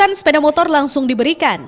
menggunakan sepeda motor langsung diberikan